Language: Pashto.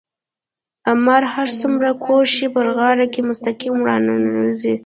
مار هر څومره کوږ شي په غار کې مستقيم ورننوزي.